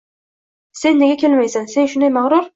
Sen esa kelmaysan — sen shunday mag‘rur